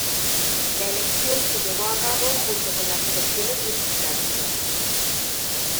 La elección se llevó a cabo junto con las elecciones legislativas.